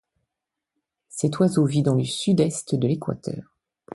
Cet oiseau vit dans le sud-est de l'Équateur.